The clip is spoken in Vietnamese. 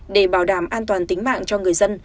để bảo đảm an toàn tính mạng cho người dân